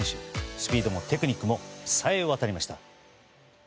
スピードもテクニックも冴え渡りました。